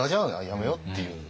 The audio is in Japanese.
やめようっていう。